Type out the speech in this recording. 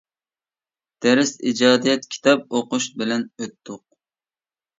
دەرس، ئىجادىيەت، كىتاب ئوقۇش بىلەن ئۆتتۇق.